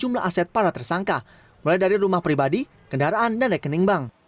sejumlah aset para tersangka mulai dari rumah pribadi kendaraan dan rekening bank